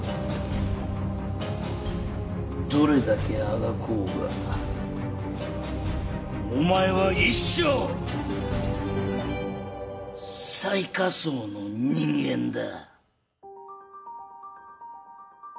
どれだけあがこうがお前は一生最下層の人間だ。